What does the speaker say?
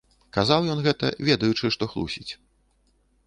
Казаў ён гэта, ведаючы, што хлусіць.